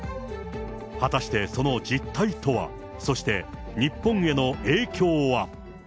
果たしてその実態とは、そして日本への影響は。